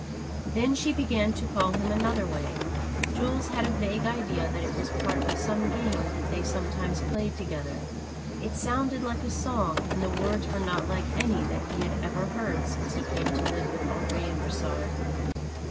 Then she began to call him another way. Jules had a vague idea that it was a part of some game that they sometimes played together. It sounded like a song, and the words were not like any that he had ever heard since he came to live with Henri and Brossard.